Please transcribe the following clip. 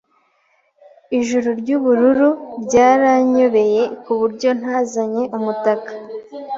Ijuru ryubururu ryaranyobeye kuburyo ntazanye umutaka.